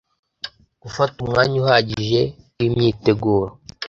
gufata umwanya uhagije w'imyiteguro